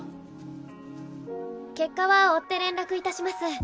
結果は追って連絡致します。